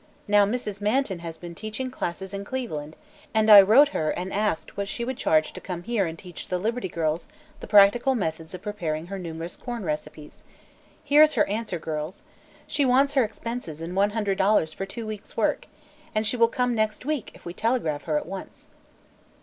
Now, Mrs. Manton has been teaching classes in Cleveland, and I wrote her and asked what she would charge to come here and teach the Liberty Girls the practical methods of preparing her numerous corn recipes. Here's her answer, girls. She wants her expenses and one hundred dollars for two weeks' work, and she will come next week if we telegraph her at once."